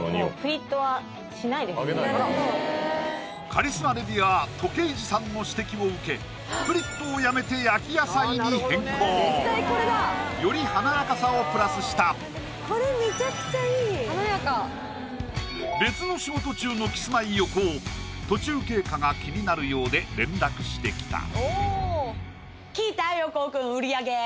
カリスマレビュアーとけいじさんの指摘を受けフリットをやめて焼き野菜に変更より華やかさをプラスした別の仕事中の「キスマイ」・横尾途中経過が気になるようで連絡してきた